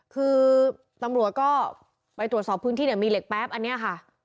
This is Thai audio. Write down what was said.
คือตำรวจก็ไปตรวจสอบพื้นที่เนี่ยมีเหล็กแป๊บอันนี้ค่ะ